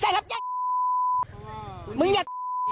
เพราะว่ามึงอย่างนี้บีมิ